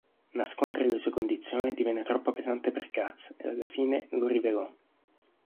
Nascondere le sue condizioni divenne troppo pesante per Katz e alla fine lo rivelò.